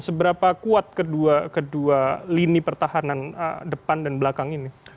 seberapa kuat kedua lini pertahanan depan dan belakang ini